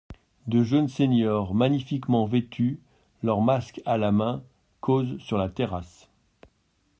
De jeunes seigneurs, magnifiquement vêtus, leurs masques à la main, causent sur la terrasse.